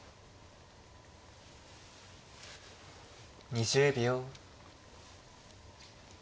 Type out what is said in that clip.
２０秒。